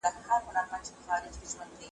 څه در سوي چي مي عطر تر سږمو نه در رسیږي .